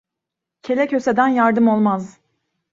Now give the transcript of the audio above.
Kele köseden yardım olmaz.